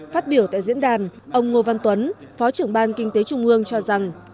phát biểu tại diễn đàn ông ngô văn tuấn phó trưởng ban kinh tế trung ương cho rằng